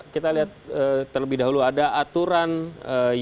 kita lihat terlebih dahulu ada aturan yang